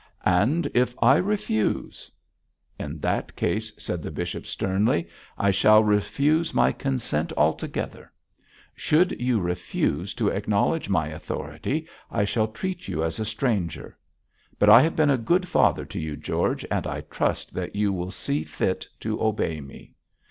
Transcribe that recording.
'And if I refuse?' 'In that case,' said the bishop, sternly, 'I shall refuse my consent altogether. Should you refuse to acknowledge my authority I shall treat you as a stranger. But I have been a good father to you, George, and I trust that you will see fit to obey me.'